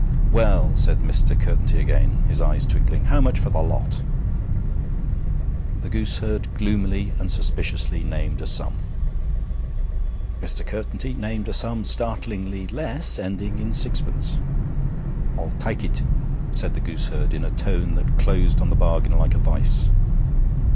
'Well,' said Mr. Curtenty again, his eyes twinkling, 'how much for the lot?' The gooseherd gloomily and suspiciously named a sum. Mr. Curtenty named a sum startlingly less, ending in sixpence. 'I'll tak' it,' said the gooseherd, in a tone that closed on the bargain like a vice.